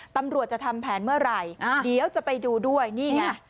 ตำรวจจะทำแผนเมื่อไหร่เดี๋ยวจะไปดูด้วยนี่ไง